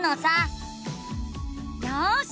よし！